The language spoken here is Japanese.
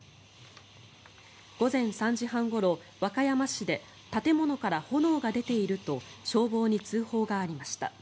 午前３時半ごろ、和歌山市で建物から炎が出ていると消防に通報がありました。